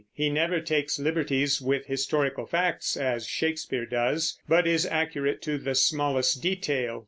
He never takes liberties with historical facts, as Shakespeare does, but is accurate to the smallest detail.